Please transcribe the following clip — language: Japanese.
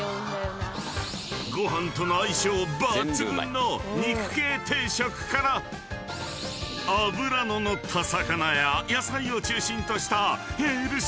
［ご飯との相性抜群の肉系定食から脂の乗った魚や野菜を中心としたヘルシー定食］